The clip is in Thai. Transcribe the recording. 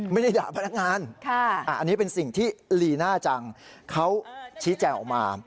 ไม่ได้ด่าพนักงานอันนี้เป็นสิ่งที่ลีน่าจังเขาชี้แจงออกมา